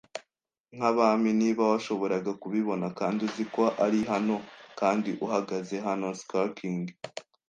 nk'abami niba washoboraga kubibona, kandi uzi ko ari hano, kandi uhagaze hano skulking.